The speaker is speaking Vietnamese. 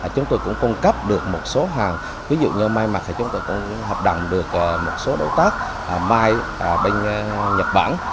chúng tôi cũng cung cấp được một số hàng ví dụ như may mặt thì chúng tôi cũng hợp đồng được một số đối tác may bên nhật bản